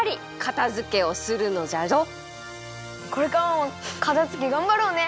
これからもかたづけがんばろうね。